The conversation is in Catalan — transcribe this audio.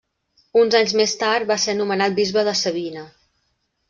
Uns anys més tard va ser nomenat bisbe de Sabina.